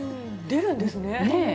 出るんですね。